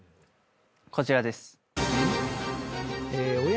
こちらです。